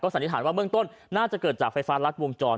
สันนิษฐานว่าเบื้องต้นน่าจะเกิดจากไฟฟ้ารัดวงจร